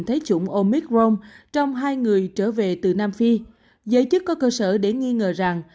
thấy chủng omicron trong hai người trở về từ nam phi giới chức có cơ sở để nghi ngờ rằng